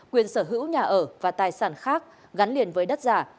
quyền sở hữu nhà ở và tài sản khác gắn liền với đất giả